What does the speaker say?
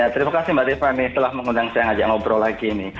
terima kasih mbak rifani setelah mengundang saya ngobrol lagi